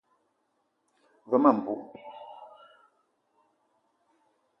Ve ma mbou.